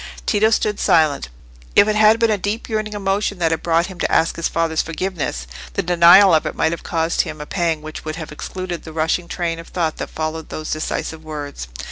Tito stood silent. If it had been a deep yearning emotion which had brought him to ask his father's forgiveness, the denial of it might have caused him a pang which would have excluded the rushing train of thought that followed those decisive words.